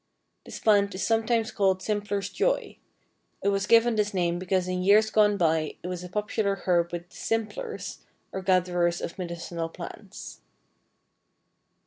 This plant is sometimes called Simpler's Joy. It was given this name because in years gone by it was a popular herb with the "simplers," or gatherers of medicinal plants.